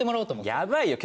やばいよ。